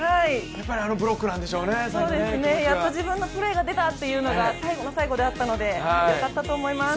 やっと自分のプレーが出たというのが最後の最後であったのでよかったと思います。